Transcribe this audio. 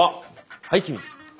はい君！